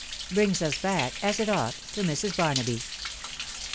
BKINJS US BACK, AS IT OUGHT, TO MRS. BARWA3Y.